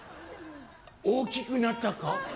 「大きくなったか？」。